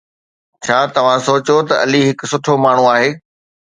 ڇا توهان سوچيو ته علي هڪ سٺو ماڻهو آهي؟